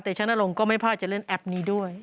แต่ชะนรงค์ก็ไม่พลาดจะเล่นแอปนี้ด้วย